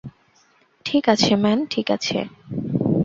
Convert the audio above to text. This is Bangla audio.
ঠিক আছে, ম্যান, ঠিক আছে?